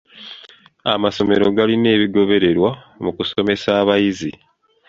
Amasomero galina ebigobererwa mu kusomesa abayizi.